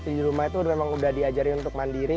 di rumah itu memang sudah diajari untuk mandiri